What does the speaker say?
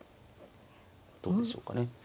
どうでしょうかね。